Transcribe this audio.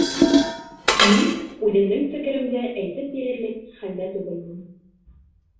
Мин үҙемдең фекеремде әйтеп бирерлек хәлдә түгелмен